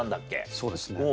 そうですね。